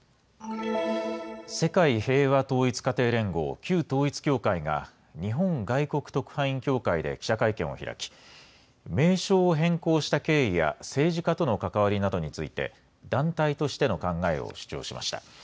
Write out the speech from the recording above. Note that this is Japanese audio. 世界平和統一家庭連合、旧統一教会が、日本外国特派員協会で記者会見を開き、名称を変更した経緯や政治家との関わりなどについて、団体としての考えを主張しました。